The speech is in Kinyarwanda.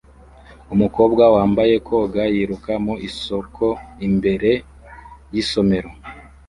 Umukobwa wambaye koga yiruka mu isoko imbere yisomero